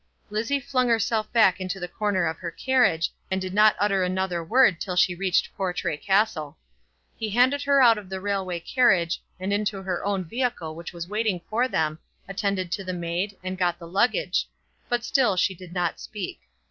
Lizzie flung herself back into the corner of her carriage, and did not utter another word till she reached Portray Castle. He handed her out of the railway carriage, and into her own vehicle which was waiting for them, attended to the maid, and got the luggage; but still she did not speak.